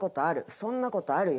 そんな事あるよ。